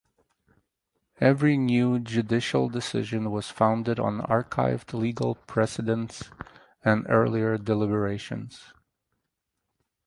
Every new judicial decision was founded on archived legal precedents and earlier deliberations.